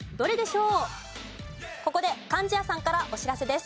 ここで貫地谷さんからお知らせです。